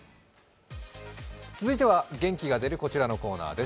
続いては元気が出るこちらのコーナーです。